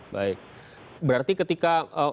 baik berarti ketika